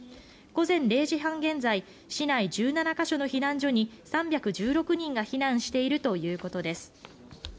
午前０時半現在、市内１７ヶ所の避難所に３１６人が避難しているということです。